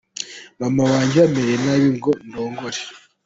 Mama wanjye amereye nabi ngo ndongore’.